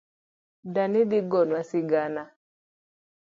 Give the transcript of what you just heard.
Dani dhi gonwa sigana